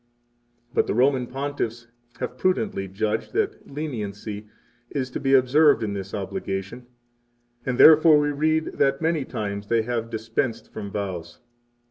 But the Roman Pontiffs have prudently judged that leniency is to be observed in this obligation, and therefore 26 we read that many times they have dispensed from vows.